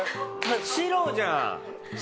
白じゃん！